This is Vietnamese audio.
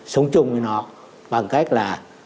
sống chung với nó bằng cách là